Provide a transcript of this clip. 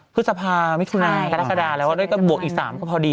พฤษภามิถุนากรกฎาแล้วด้วยก็บวกอีก๓ก็พอดี